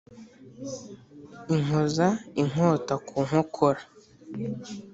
inkoza inkota ku nkokora